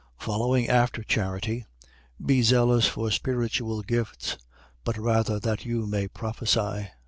14:1. Follow after charity, be zealous for spiritual gifts; but rather that you may prophesy.